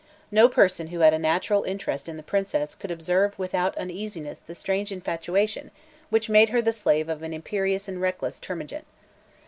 No person who had a natural interest in the Princess could observe without uneasiness the strange infatuation which made her the slave of an imperious and reckless termagant.